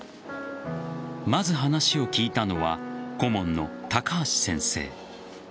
まず話を聞いたのは顧問の高橋先生。